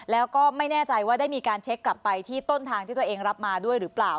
แล้วก็ไม่แน่ใจว่าได้มีการเช็คกลับไปที่ต้นทางที่ตัวเองรับมาด้วยหรือเปล่า